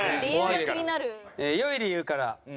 良い理由から。